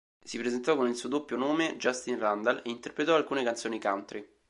Si presentò con il suo doppio nome, Justin Randall, e interpretò alcune canzoni country.